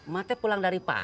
kamu pulang dari mana